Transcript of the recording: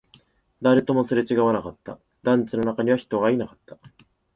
誰ともすれ違わなかった、団地の中には人がいなかった